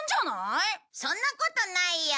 そんなことないよ。